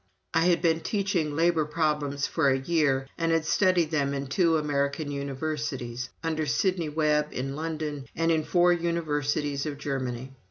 I had been teaching labor problems for a year, and had studied them in two American universities, under Sidney Webb in London, and in four universities of Germany.